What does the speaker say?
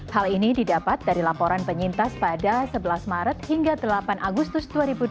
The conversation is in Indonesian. hal ini didapat dari laporan penyintas pada sebelas maret hingga delapan agustus dua ribu dua puluh